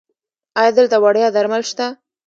ایا دلته وړیا درمل شته؟